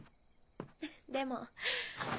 でも。